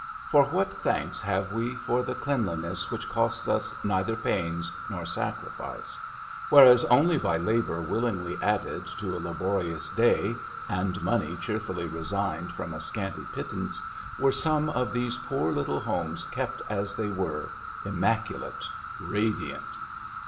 For what thanks have we for the cleanliness which costs us neither pains nor sacrifice !— ^whereas only by labour willingly added to a laborious day, and money cheerfully resigned from a scanty pittance, were some of these poor little homes kept as they were — immaculate, radiant.